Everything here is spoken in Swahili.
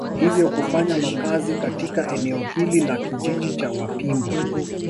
Hivyo kufanya makazi katika eneo hili la kijiji cha Wapimbwe